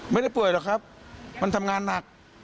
ไม่ได้ป่วยหรอกครับมันทำงานหนัก